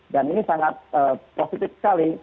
dan ini sangat positif sekali